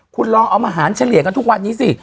คุณลองเอาอาหารเฉลี่ยกันทุกวันนี้สิ